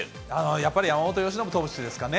やっぱり山本由伸投手ですかね。